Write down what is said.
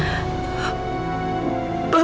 apa maksud bapak